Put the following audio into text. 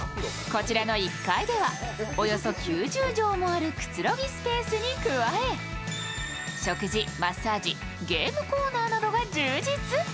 こちらの１階ではおよそ９０畳もあるくつろぎスペースに加え食事、マッサージゲームコーナーなどが充実。